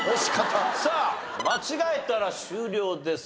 さあ間違えたら終了です。